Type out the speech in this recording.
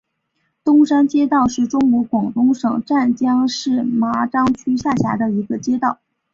东山街道是中国广东省湛江市麻章区下辖的一个街道。